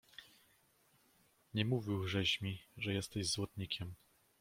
"Nie mówił żeś mi, że jesteś złotnikiem?"